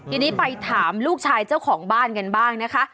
ทีนี้ไปถามลูกชายเจ้าของบ้านกันบ้างนะคะ